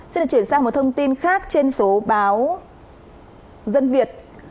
xin được chuyển sang một thông tin khác trên số báo dân việt